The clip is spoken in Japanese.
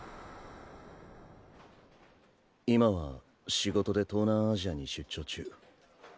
今は仕事で東南アジアに出張中。